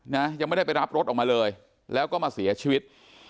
ยังไม่ได้ไปรับรถออกมาเลยแล้วก็มาเสียชีวิต